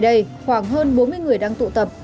ở đây khoảng hơn bốn mươi người đang tụ tập